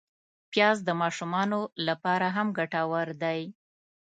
پیاز د ماشومانو له پاره هم ګټور دی